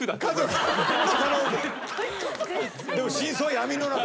でも真相は闇の中。